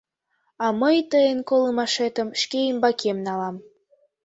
А мый тыйын колымашетым шке ӱмбакем налам.